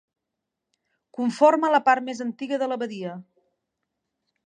Conforma la part més antiga de l'abadia.